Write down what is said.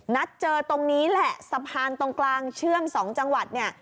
นัดเจอตรงนี้แหละสะพานตรงกลางเชื่อม๒จังหวัดเนี่ย